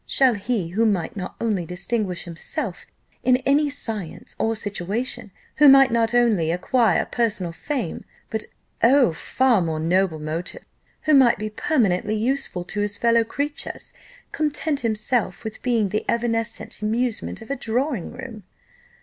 Shall he who might not only distinguish himself in any science or situation, who might not only acquire personal fame, but, oh, far more noble motive! who might be permanently useful to his fellow creatures, content himself with being the evanescent amusement of a drawing room?